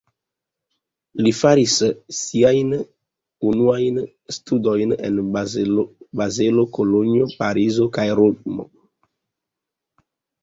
Li faris siajn unuajn studojn en Bazelo, Kolonjo, Parizo kaj Romo.